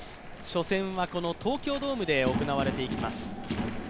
初戦は東京ドームで行われていきます。